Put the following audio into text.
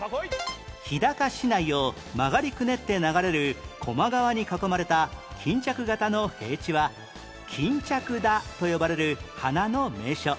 日高市内を曲がりくねって流れる高麗川に囲まれた巾着形の平地は巾着田と呼ばれる花の名所